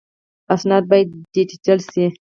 اسناد باید ډیجیټل شي